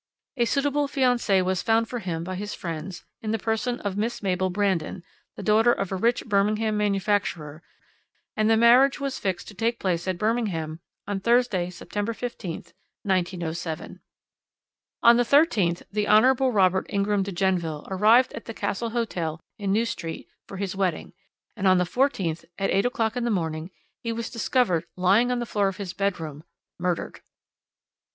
A suitable fiancée was found for him by his friends in the person of Miss Mabel Brandon, the daughter of a rich Birmingham manufacturer, and the marriage was fixed to take place at Birmingham on Thursday, September 15th, 1907. "On the 13th the Hon. Robert Ingram de Genneville arrived at the Castle Hotel in New Street for his wedding, and on the 14th, at eight o'clock in the morning, he was discovered lying on the floor of his bedroom murdered.